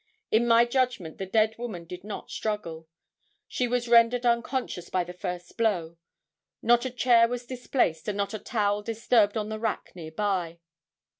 In my judgment, the dead woman did not struggle. She was rendered unconscious by the first blow. Not a chair was displaced and not a towel disturbed on the rack near by.